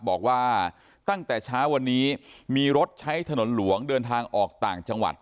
บอกว่าตั้งแต่เช้าวันนี้มีรถใช้ถนนหลวงเดินทางออกต่างจังหวัด